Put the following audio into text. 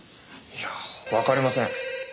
いやわかりません。